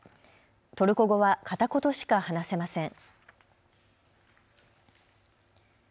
トルコ語は片言しか話せません。